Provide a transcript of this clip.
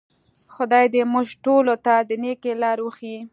خدای دې موږ ټولو ته د نیکۍ لار وښیي.